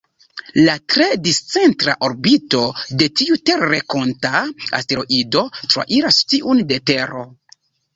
La tre discentra orbito de tiu terrenkonta asteroido trairas tiun de Tero.